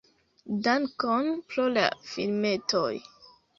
Dankon pro la filmetoj!"